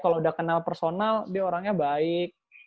kalau udah kenal personal dia orangnya baik